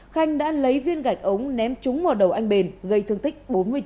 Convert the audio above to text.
khanh đã lấy viên gạch ống ném trúng vào đầu anh bền gây thương tích bốn mươi chín